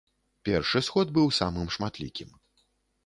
Першы сход быў самым шматлікім.